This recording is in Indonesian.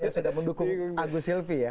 sudah mendukung agus silvi ya